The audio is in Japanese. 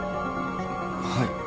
はい。